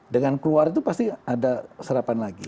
dengan keluar itu pasti ada serapan lagi